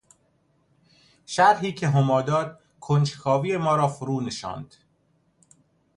شرحی که هما داد کنجکاوی ما را فرونشاند.